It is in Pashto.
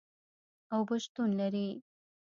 اوبه شتون لري